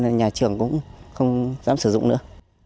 nên nhà trường cũng không dám sử dụng nữa